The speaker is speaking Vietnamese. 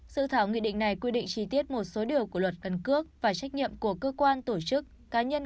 sự thảo nghị định này quy định chi tiết một số điều của luật căn cước và trách nhiệm của cơ quan tổ chức cá nhân